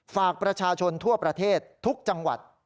ฝากประชาชนทั่วประเทศทุกจังหวัด